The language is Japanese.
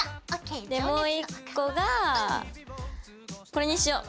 もう１個がこれにしよう！